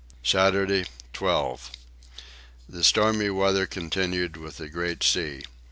Saturday 12. The stormy weather continued with a great sea.